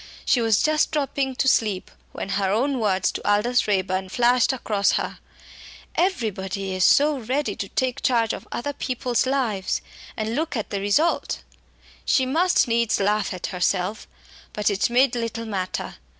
She was just dropping to sleep when her own words to Aldous Raeburn flashed across her, "Everybody is so ready to take charge of other people's lives, and look at the result!" She must needs laugh at herself, but it made little matter.